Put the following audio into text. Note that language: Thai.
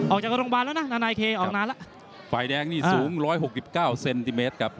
ออกจากโรงพยาบาลแล้วนะทนายเคออกนานแล้วฝ่ายแดงนี่สูงร้อยหกสิบเก้าเซนติเมตรครับ